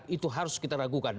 itu harus kita ragukan